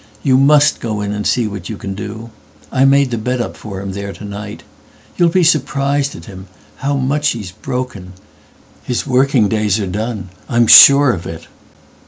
You must go in and see what you can do.I made the bed up for him there to night. You'll be surprised at him—how much he's broken. His working days are done; I'm sure of it."